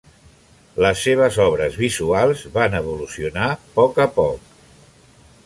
Les seves obres visuals van evolucionar a poc a poc.